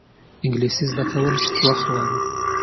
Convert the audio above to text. انګلیسي زده کول وخت غواړي